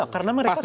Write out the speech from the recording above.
karena mereka sudah